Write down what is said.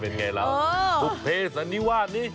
เป็นไงแล้วทุกเพศอันนี้ว่านี่